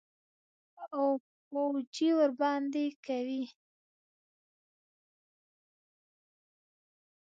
او پوجي ورباندي کوي.